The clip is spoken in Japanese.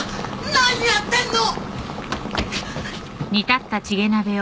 何やってんの！？